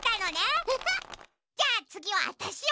じゃあつぎはわたしよ！